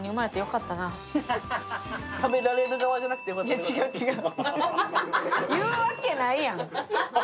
いや、違う違う。